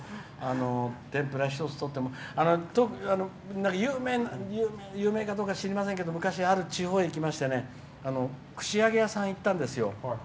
天ぷら一つとっても有名かどうか知りませんけど、昔ある地方に行きましてね串揚げ屋さん行ったんですよ。